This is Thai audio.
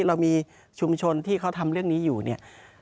เรามีชุมชนที่เขาทำเรื่องนี้อยู่เนี่ย